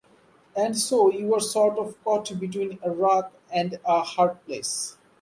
And so you’re sort of caught between a rock and a hard place.